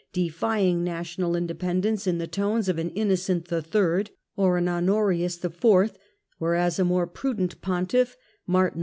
defying national independence in the tones of an Innocent III. or a Honorius IV. ; whereas a more prudent pontiff, Martin V.